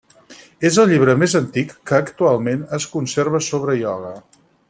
És el llibre més antic que actualment es conserva sobre ioga.